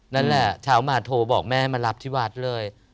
นั่นแหละเช้ามาโทรบอกแม่มารับที่วัดเลย